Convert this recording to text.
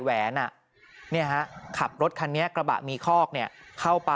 หลังจากพบศพผู้หญิงปริศนาตายตรงนี้ครับ